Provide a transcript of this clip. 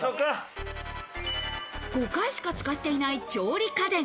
５回しか使っていない調理家電。